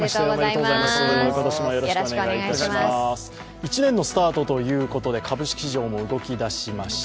一年のスタートということで株式市場も動きだしました。